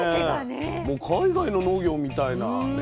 もう海外の農業みたいなね。